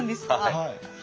はい。